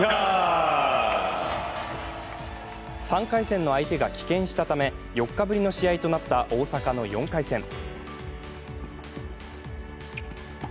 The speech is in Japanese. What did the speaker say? ３回戦の相手が棄権したため４日ぶりの試合となった大坂の４回戦。